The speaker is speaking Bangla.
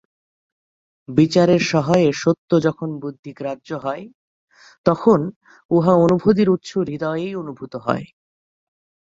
বিচারের সহায়ে সত্য যখন বুদ্ধিগ্রাহ্য হয়, তখন উহা অনুভূতির উৎস হৃদয়েই অনুভূত হয়।